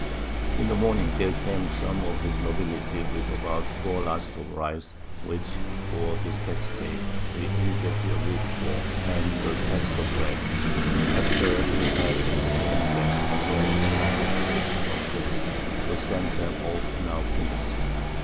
In the Morning, there came some of his Nobility, with about 4 Last of Rice, which (for Dispatch sake) we immediately agreed for, and a Cask of Rack, and after we had entertain'd 'em as well as Time and Place would afford, we sent 'em off in our Pinnance.